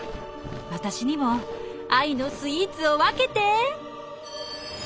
私にも愛のスイーツを分けて！